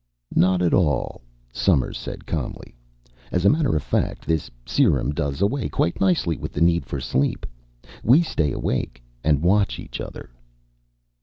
"Not at all," Somers said calmly. "As a matter of fact, this serum does away quite nicely with the need for sleep. We stay awake and watch each other."